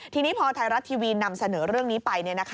ทีนี้พอไทยรัฐทีวีนำเสนอเรื่องนี้ไป